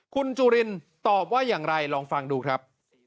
คุณจุลินตอบว่าอย่างไรลองฟังดูครับ